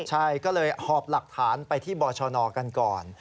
ใช่ก็เลยหอบหลักฐานไปที่บชนกันก่อน